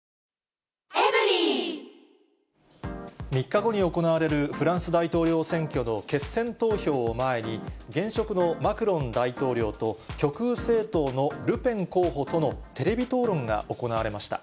３日後に行われるフランス大統領選挙の決選投票を前に、現職のマクロン大統領と、極右政党のルペン候補とのテレビ討論が行われました。